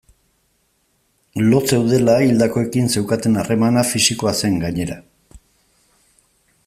Lo zeudela hildakoekin zeukaten harremana fisikoa zen, gainera.